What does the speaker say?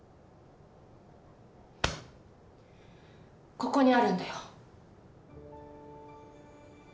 ここにあるんだよ。